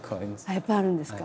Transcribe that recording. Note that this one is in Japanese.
やっぱりあるんですか。